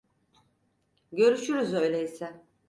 Görüşürüz öyleyse.